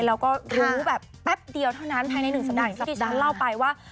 แล้วก็รู้แบบแป๊บเดียวเท่านั้นภายใน๑สัปดาห์อย่างที่ที่ฉันเล่าไปว่า